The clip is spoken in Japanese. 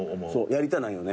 やりたないよね。